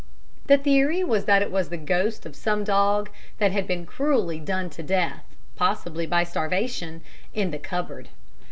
The theory was that it was the ghost of some dog that had been cruelly done to death possibly by starvation in the cupboard.